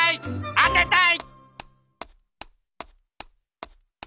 当てたい！